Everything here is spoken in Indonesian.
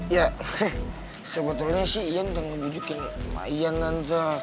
ya sebetulnya sih ian udah ngebujukin pak ian nanti